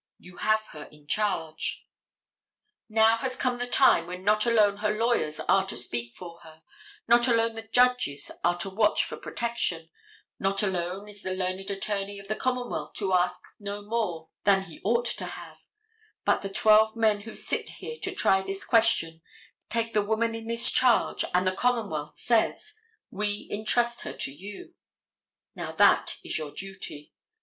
You have her in charge. Now has come the time when not alone her lawyers are to speak for her, not alone the judges are to watch for protection, not alone is the learned attorney of the commonwealth to ask no more than he ought to have, but the twelve men who sit here to try this question take the woman in this charge, and the commonwealth says, "We intrust her to you." Now that is your duty.